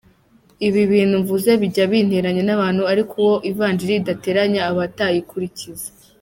Ibi bintu mvuze bijya binteranya n’abantu ariko uwo ivanjiri idateranya aba atayikurikiza.